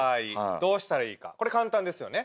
どうしたらいいかこれ簡単ですよね。